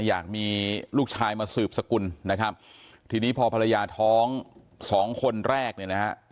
อยากมีลูกชายมาสืบสกุลนะครับทีนี้พอภรรยาท้องสองคนแรกเนี่ยนะฮะ